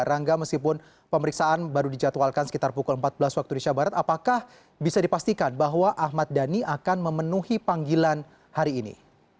rangga meskipun pemeriksaan baru dijadwalkan sekitar pukul empat belas waktu indonesia barat apakah bisa dipastikan bahwa ahmad dhani akan memenuhi panggilan hari ini